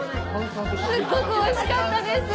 すっごくおいしかったです。